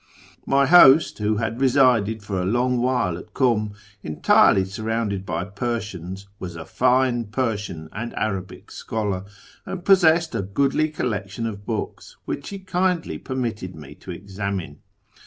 My host, who had resided for a long while at Kum, entirely surrounded by Persians, was a fine Persian and Arabic scholar, and possessed a goodly collection of books, which he kindly permitted me to jL i FROM TEHERAN TO ISFAHAN 169 examine.